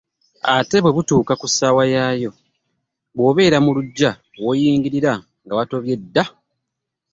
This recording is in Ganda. Ate bwe butuuka ku ssaawa yaayo, bw'obeera mu luggya w'oyingirira nga watobye dda.